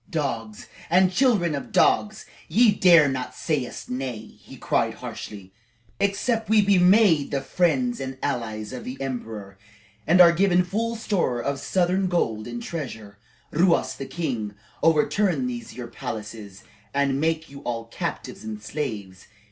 "Dogs and children of dogs, ye dare not say us nay!" he cried harshly. "Except we be made the friends and allies of the emperor, and are given full store of southern gold and treasure, Ruas the king shall overturn these your palaces, and make you all captives and slaves.